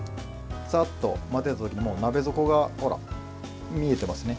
サッと混ぜた時に鍋底がほら、見えてますね。